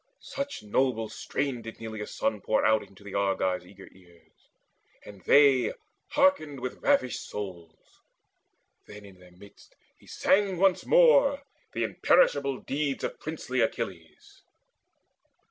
Such noble strain did Neleus' son pour out Into the Argives' eager ears; and they Hearkened with ravished souls. Then in their midst He sang once more the imperishable deeds Of princely Achilles.